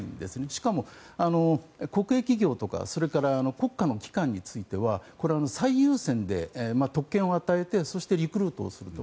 しかも国営企業とかそれから国家機関については最優先で特権を与えてそしてリクルートをすると。